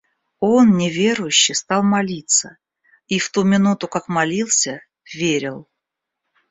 Он, неверующий, стал молиться и в ту минуту, как молился, верил.